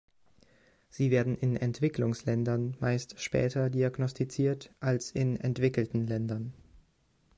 Sie werden in Entwicklungsländern meist später diagnostiziert als in entwickelten Ländern.